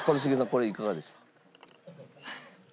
これいかがでした？